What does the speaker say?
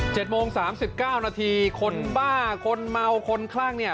โมงสามสิบเก้านาทีคนบ้าคนเมาคนคลั่งเนี่ย